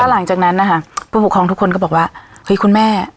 หลังจากนั้นนะคะผู้ปกครองทุกคนก็บอกว่าเฮ้ยคุณแม่